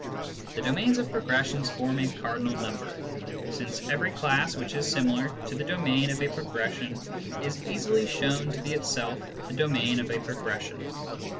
The domains of progressions form a cardinal number, since every class which is similar to the domain of a progression is easily shown to be itself the domain of a progression.